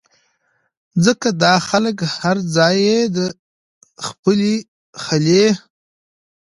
ځکه دا خلک هر ځائے د خپلې خلې